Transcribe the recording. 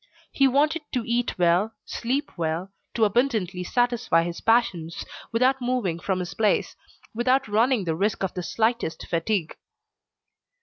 He wanted to eat well, sleep well, to abundantly satisfy his passions, without moving from his place, without running the risk of the slightest fatigue.